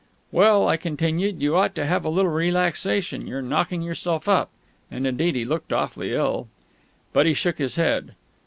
"Well," I continued, "you ought to have a little relaxation; you're knocking yourself up." And, indeed, he looked awfully ill. But he shook his head.